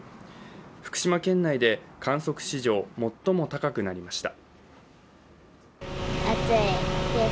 福島県内で観測史上最も高くなりました。